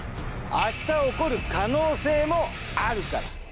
明日起こる可能性もあるから。